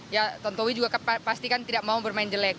ya tontowi juga pastikan tidak mau bermain jelek